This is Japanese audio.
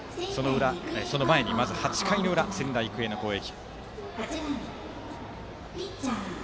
その前に８回の裏仙台育英の攻撃。